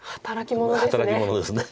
働き者ですね。